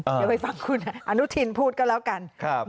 เดี๋ยวไปฟังคุณอะอนุถิรินพูดก่อนแล้วกัน